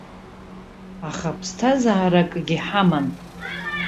Аха ԥсҭазааракгьы ҳаман.